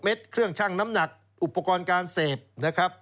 เครื่องชั่งน้ำหนักอุปกรณ์การเสพนะครับ